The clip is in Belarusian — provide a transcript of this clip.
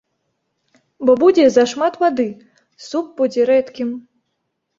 Бо будзе зашмат вады, суп будзе рэдкім.